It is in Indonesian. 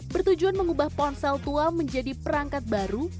bertujuan mengubah ponsel tua menjadi perangkat baru